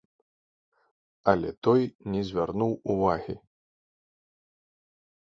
Але той не звярнуў увагі.